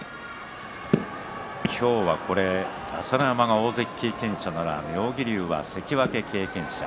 今日は朝乃山が大関経験者なら妙義龍は関脇経験者。